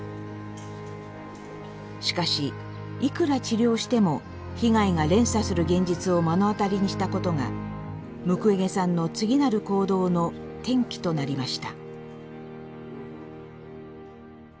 しかしいくら治療しても被害が連鎖する現実を目の当たりにしたことがムクウェゲさんの次なる行動の転機となりました。